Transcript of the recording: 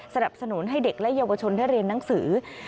สนับสนุนให้เด็กและเยาวชนได้เรียนหนังสือ